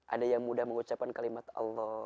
ada yang mudah mengucapkan kalimat allah